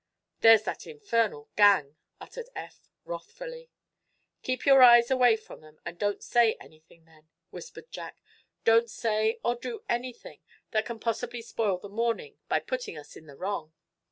"There's that infernal gang!" uttered Eph, wrathfully. "Keep your eyes away from them, and don't say anything, then," whispered Jack. "Don't say or do anything that can possibly spoil the morning by putting us in the wrong."